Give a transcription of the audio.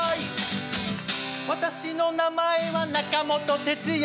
私の名前は中本哲也